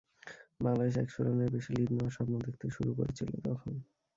বাংলাদেশ এক শ রানের বেশি লিড নেওয়ার স্বপ্ন দেখতে শুরু করেছিল তখন।